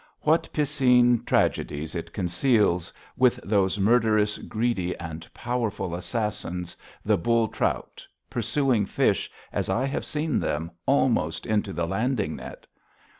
What piscine tragedies it conceals, with those murderous, greedy, and powerful assassins, the bull trout, pursuing fish, as I have seen them, almost into the landing net!